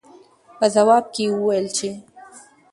پۀ جواب کښې يې وويل چې